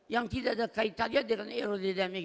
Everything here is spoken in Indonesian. yang tidak ada kaitannya dengan aerodidaming